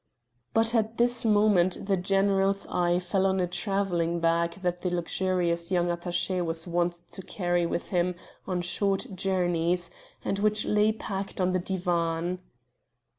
But at this moment the general's eye fell on a travelling bag that the luxurious young attaché was wont to carry with him on short journeys, and which lay packed on the divan.